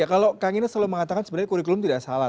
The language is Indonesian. ya kalau kang ines selalu mengatakan sebenarnya kurikulum tidak salah